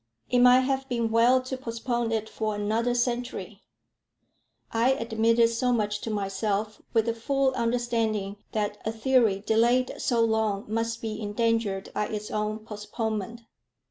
It might have been well to postpone it for another century. I admitted so much to myself, with the full understanding that a theory delayed so long must be endangered by its own postponement.